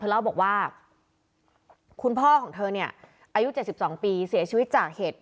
เล่าบอกว่าคุณพ่อของเธอเนี่ยอายุ๗๒ปีเสียชีวิตจากเหตุ